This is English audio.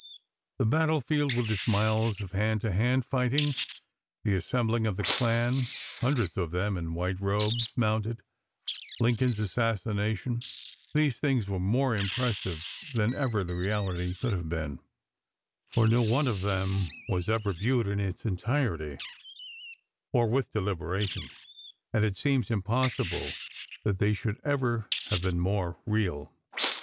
The battle field, with its miles of hand to hand fighting; the assembling of the Klan—hundreds of them in white robes, mounted;—Lincoln's assassination—these things were more impressive than even the reality could have been, for no one of them was ever viewed in its entirety, or with deliberation, and it seems impossible that they should ever have been more real.